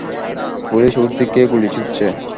Police ওর দিকে গুলি ছুড়ছে।